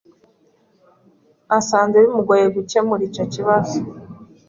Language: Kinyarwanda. Nasanze bimugoye gukemura icyo kibazo.